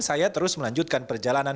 saya terus melanjutkan perjalanan